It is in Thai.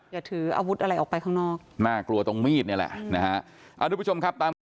อย่าถืออาวุธอะไรออกไปข้างนอก